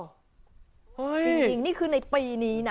จริงนี่คือในปีนี้นะ